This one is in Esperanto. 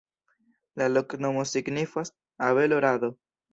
La loknomo signifas: abelo-rado.